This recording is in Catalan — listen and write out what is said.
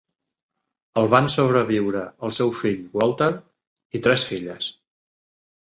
El van sobreviure el seu fill, Walter, i tres filles.